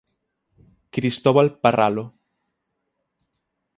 Cristóbal Parralo.